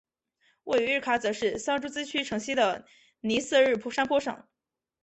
位于日喀则市桑珠孜区城西的尼色日山坡上。